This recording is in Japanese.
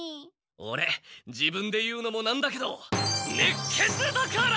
オレ自分で言うのもなんだけど熱血だから！